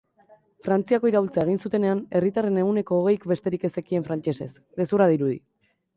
Frantziako iraultza egin zutenean, herritarren ehuneko hogeik besterik ez zekien frantsesez... gezurra dirudi!